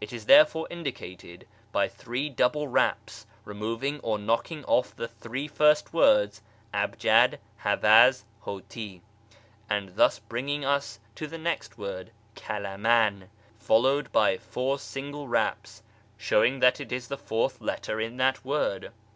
It is therefore indicated by three double raps (removing or knocking off the three first words, ahj'ad, haivaz, hoti, and thus bringing us to the next word, kalaman), followed by four single raps (showing that it is the fourth letter in this word).